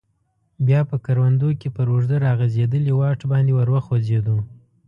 بیا په کروندو کې پر اوږده راغځیدلي واټ باندې ور وخوځیدو.